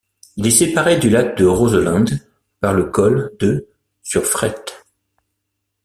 Il est séparé du lac de Roselend par le col de sur Frêtes.